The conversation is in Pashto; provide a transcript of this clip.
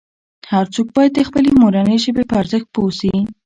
هر څوک باید د خپلې مورنۍ ژبې په ارزښت پوه سي.